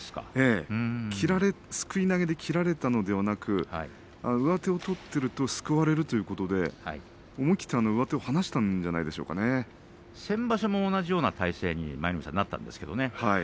すくい投げで切られたのではなく上手を取っているとすくわれるということで思い切って上手を離したんじゃ先場所も同じような体勢になったんですけどね。